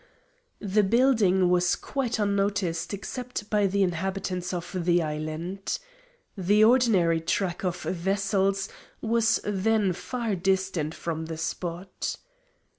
The building was quite unnoticed except by the inhabitants of the island. The ordinary track of vessels was then far distant from the spot.